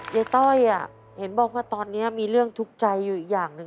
ต้อยเห็นบอกว่าตอนนี้มีเรื่องทุกข์ใจอยู่อีกอย่างหนึ่ง